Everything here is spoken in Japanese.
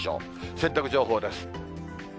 洗濯情報です。